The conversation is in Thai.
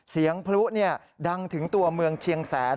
พลุดังถึงตัวเมืองเชียงแสน